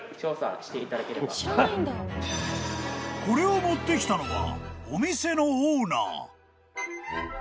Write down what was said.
［これを持ってきたのはお店のオーナー］